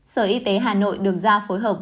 sở y tế hà nội được giao phối hợp